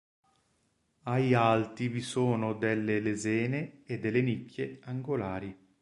Ai alti vi sono delle lesene e delle nicchie angolari.